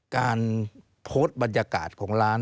การโพสต์บรรยากาศของร้าน